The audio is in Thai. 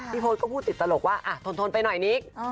พี่พฤษก็พูดติดตลกว่าอ่ะทนไปหน่อยนิค